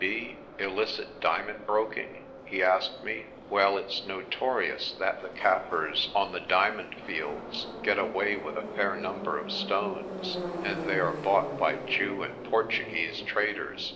D.B. illicit diamond broking?' he asked me. "Well, it's notorious that the Kaffirs on the diamond fields get away with a fair number of stones, and they are bought by Jew and Portuguese traders.